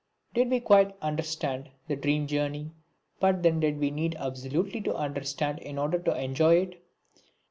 Did we quite understand "The Dream Journey"? But then did we need absolutely to understand in order to enjoy it?